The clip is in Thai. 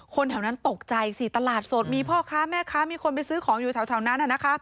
แถวนั้นตกใจสิตลาดสดมีพ่อค้าแม่ค้ามีคนไปซื้อของอยู่แถวนั้น